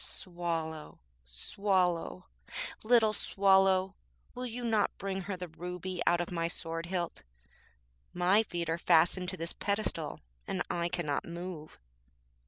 Swallow, Swallow, little Swallow, will you not bring her the ruby out of my sword hilt? My feet are fastened to this pedestal and I cannot move.'